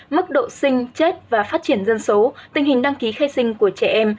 mức độ sinh chết và phát triển dân số tình hình đăng ký khai sinh của trẻ em